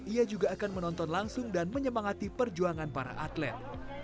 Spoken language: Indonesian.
ia juga akan menonton langsung dan menyemangati perjuangan para atlet